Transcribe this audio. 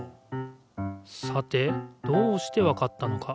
さてどうしてわかったのか？